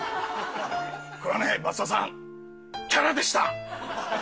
これはね松田さんキャラでした！